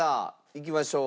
いきましょう。